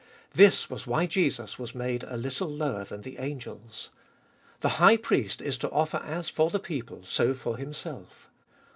This was why Jesus was made a little lower than the angels. The high priest is to offer as for the people, so for himself.